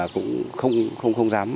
cũng không dám